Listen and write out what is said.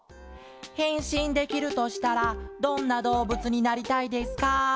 「へんしんできるとしたらどんなどうぶつになりたいですか？」。